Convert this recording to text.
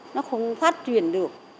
nó không phát triển được